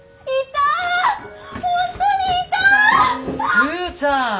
スーちゃん！